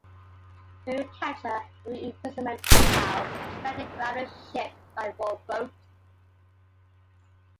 Fearing capture and reimprisonment, Greenhow fled the grounded ship by rowboat.